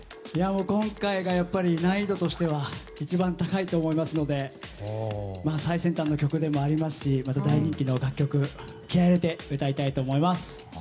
今回がやっぱり難易度としては一番高いと思いますので最先端の曲でもありますしまた大人気の楽曲、気合入れて歌いたいと思います。